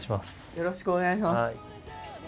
よろしくお願いします。